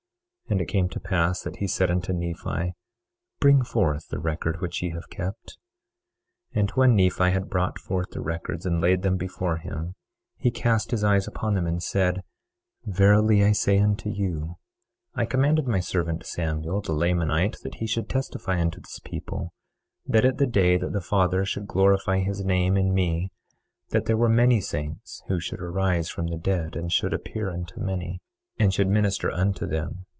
23:7 And it came to pass that he said unto Nephi: Bring forth the record which ye have kept. 23:8 And when Nephi had brought forth the records, and laid them before him, he cast his eyes upon them and said: 23:9 Verily I say unto you, I commanded my servant Samuel, the Lamanite, that he should testify unto this people, that at the day that the Father should glorify his name in me that there were many saints who should arise from the dead, and should appear unto many, and should minister unto them.